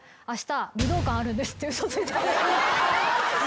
って嘘ついた。